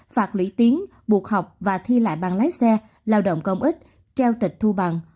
phạt lũy tiếng buộc học và thi lại bàn lái xe lao động công ích treo tịch thu bằng